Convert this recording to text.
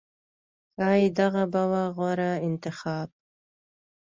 ښایي دغه به و غوره انتخاب